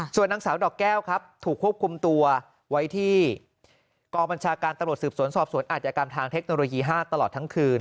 ส่วนนางสาวดอกแก้วครับถูกควบคุมตัวไว้ที่กองบัญชาการตำรวจสืบสวนสอบสวนอาจยากรรมทางเทคโนโลยี๕ตลอดทั้งคืน